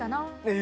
え！